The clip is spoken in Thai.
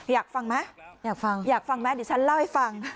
อยากฟังไหมอยากฟังอยากฟังไหมดิฉันเล่าให้ฟัง